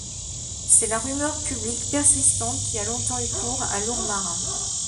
C'est la rumeur publique persistante qui a longtemps eu cours à Lourmarin.